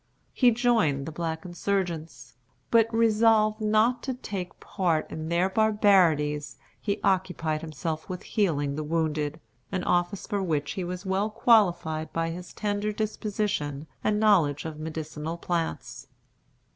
He joined the black insurgents; but, resolved not to take part in their barbarities, he occupied himself with healing the wounded, an office for which he was well qualified by his tender disposition and knowledge of medicinal plants.